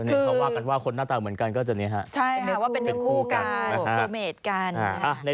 ในคำว่ากันว่าคนหน้าตาเหมือนกันก็จะเนี่ยฮะ